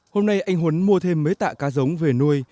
hôm nay anh huấn mua thêm mấy tạ cá giống về nuôi